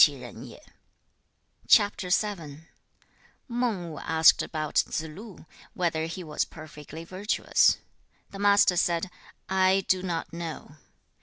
Mang Wu asked about Tsze lu, whether he was perfectly virtuous. The Master said, 'I do not know.'